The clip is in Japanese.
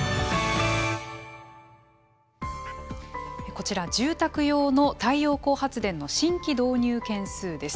こちら住宅用の太陽光発電の新規導入件数です。